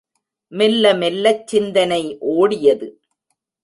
மெல்ல மெல்லச் சிந்தனை ஒடியது.